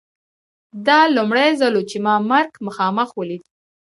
دا لومړی ځل و چې ما مرګ مخامخ ولید